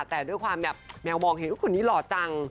แต่ด้วยความแบบแมวมองเห็นคนนี้หล่อจัง